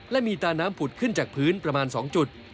และมีตาน้ำผุดขึ้นจากพื้นประมาณ๒จุด